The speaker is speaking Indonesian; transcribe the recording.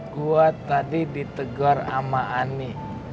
gue tadi ditegor sama ani